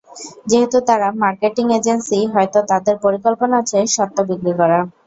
যেহেতু তারা marketing agency, হয়তো তাদের পরিকল্পনা আছে স্বত্ব বিক্রি করা।